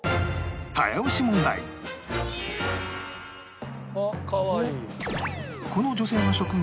早押し問題あっかわいい。